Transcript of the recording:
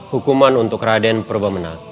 hukuman untuk raden purba menang